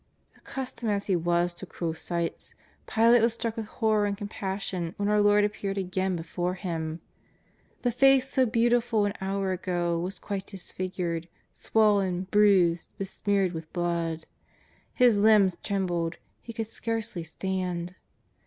Accustomed as he was to cruel sights, Pilate was struck with horrror and compassion when our Lord ap peared again before him. The face so beautiful an Iiour ago was quite disfigured, swollen, bruised, be >neared with blood. His limbs trembled. He could scarcely stand.